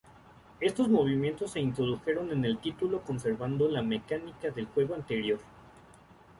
Estos movimientos se introdujeron en el titulo conservando la mecánica del juego anterior.